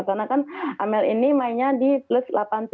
karena kan amel ini mainnya di plus delapan tujuh